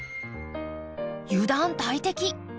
油断大敵！